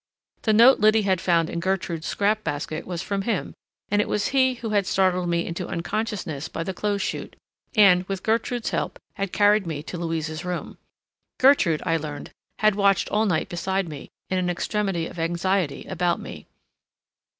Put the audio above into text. The note Liddy had found in Gertrude's scrap basket was from him, and it was he who had startled me into unconsciousness by the clothes chute, and, with Gertrude's help, had carried me to Louise's room. Gertrude, I learned, had watched all night beside me, in an extremity of anxiety about me.